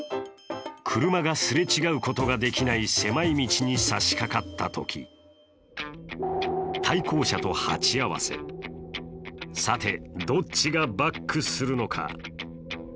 車がすれ違うことができない狭い道に差しかかったとき、対向車と鉢合わせ、さて、どっちがバックするのか。